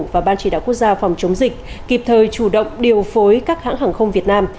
và ban chỉ đạo quốc gia phòng chống dịch kịp thời chủ động điều phối các hãng hàng không việt nam